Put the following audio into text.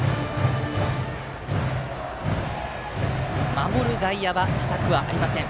守る外野、浅くはありません。